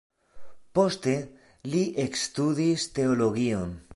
Poste li ekstudis teologion.